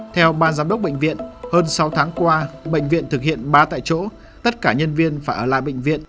theo ban giám đốc bệnh viện hơn sáu tháng qua bệnh viện thực hiện ba tại chỗ tất cả nhân viên phải ở lại bệnh viện